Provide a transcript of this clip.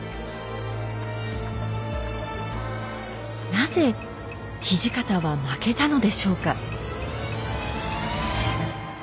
なぜ土方は負けたのでしょうか？